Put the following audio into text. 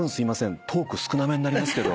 トーク少なめになりますけど。